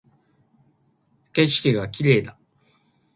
景色が綺麗だ